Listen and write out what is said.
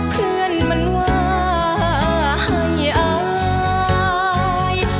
เพื่อนมันว่าให้อาย